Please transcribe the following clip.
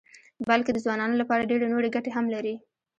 بلکې د ځوانانو لپاره ډېرې نورې ګټې هم لري.